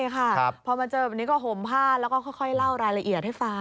พอมาเจอแบบนี้ก็ห่มผ้าแล้วก็ค่อยเล่ารายละเอียดให้ฟัง